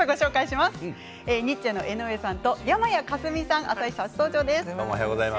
ニッチェの江上さんと山谷花純さん「あさイチ」初登場です。